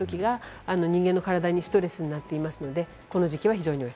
季節が変動するときが人間の体にストレスになっていますので、この時期、非常に多い。